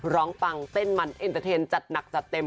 ฟังเต้นมันเอ็นเตอร์เทนจัดหนักจัดเต็ม